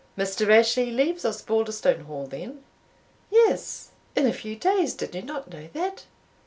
"Mr. Rashleigh leaves Osbaldistone Hall, then?" "Yes, in a few days; did you not know that?